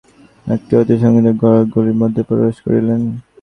বড়ো রাস্তায় গাড়ি দাঁড় করাইয়া একটি অতি সংকীর্ণ অন্ধকার গলির মধ্যে প্রবেশ করিলেন।